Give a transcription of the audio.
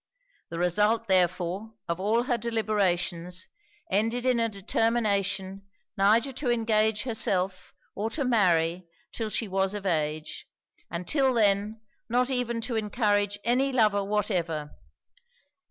The result, therefore, of all her deliberations ended in a determination neither to engage herself or to marry 'till she was of age; and, 'till then, not even to encourage any lover whatever.